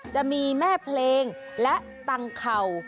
จะมีแม่เพลงและตังเข่า